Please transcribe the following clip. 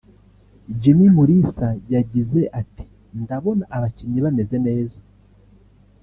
Jimmy Mulisa yagize ati “Ndabona abakinnyi bameze neza